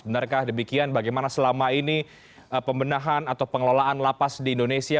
benarkah demikian bagaimana selama ini pembenahan atau pengelolaan lapas di indonesia